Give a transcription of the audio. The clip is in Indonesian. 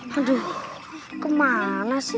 aduh kemana sih